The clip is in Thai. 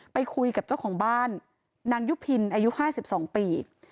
ไปคุยกับเจ้าของบ้านนางยุพินอายุ๕๒ปี